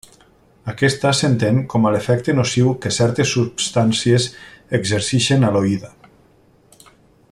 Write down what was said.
Aquesta s'entén com a l'efecte nociu que certes substàncies exerceixen a l'oïda.